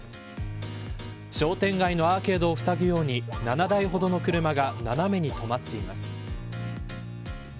商店街のアーケードをふさぐように７台ほどの車が斜めにとまっています。